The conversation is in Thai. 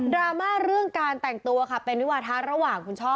ราม่าเรื่องการแต่งตัวค่ะเป็นวิวาทะระหว่างคุณช่อ